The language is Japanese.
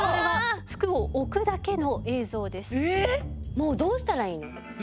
もうどうしたらいいの？